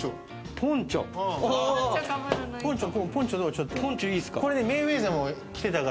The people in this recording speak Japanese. ポンチョいいっすか？